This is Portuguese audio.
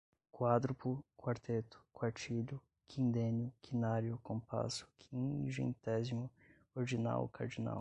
Quádruplo, quarteto, quartilho, quindênio, quinário, compasso, quingentésimo, ordinal, cardinal